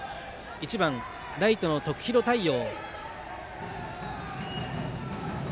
１番、ライトの徳弘太陽。